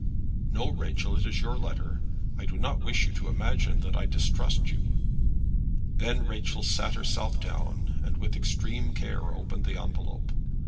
"No, Rachel. It is your letter. I do not wish you to imagine that I distrust you." Then Rachel sat herself down, and with extreme care opened the envelope.